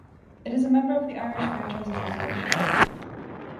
It is a member of the Irish Franchise Association.